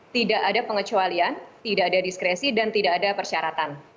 tidak ada pengecualian tidak ada diskresi dan tidak ada persyaratan